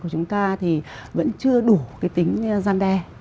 của chúng ta thì vẫn chưa đủ cái tính gian đe